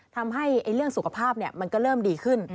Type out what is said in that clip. ทำให้เรื่องสุขภาพมันก็เริ่มดีขึ้น